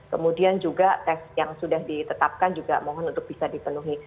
kemudian juga tes yang sudah ditetapkan juga mohon untuk bisa dipenuhi